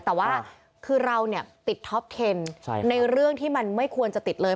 แต่ว่าคือเราเนี่ยติดท็อปเทนในเรื่องที่มันไม่ควรจะติดเลย